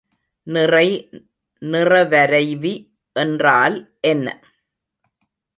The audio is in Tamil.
நிறை நிறவரைவி என்றால் என்ன?